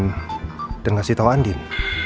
aku udah nggasih tau andin